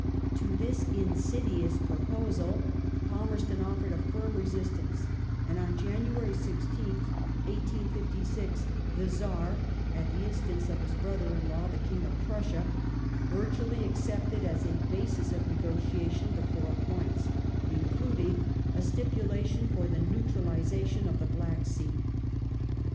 To this in sidious proposal Palmerston offered a firm resistance, and on January 16th, 1856, the Czar (at the instance of his brother in law, the King of Prussia) virtually accepted as a basis of negotiation the "Four Points," including a stipulation for the neutralization of the Black Sea.